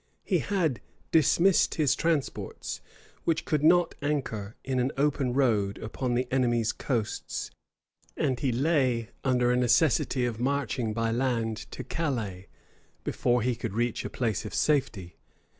He had dismissed his transports, which could not anchor in an open road upon the enemy's coasts; and he lay under a necessity of marching by land to Calais, before he could reach a place of safety.